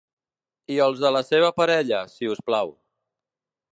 I els de la seva parella, si us plau.